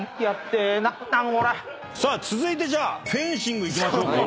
続いてじゃあフェンシングいきましょうか。